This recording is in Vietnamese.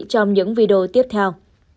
trong những video tiếp theo